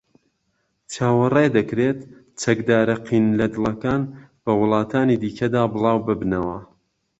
چاوەڕێدەکرێت چەکدارە قین لە دڵەکان بە وڵاتانی دیکەدا بڵاوببنەوە